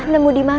nemu di mana